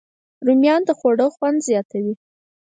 رومیان د خوړو خوند زیاتوي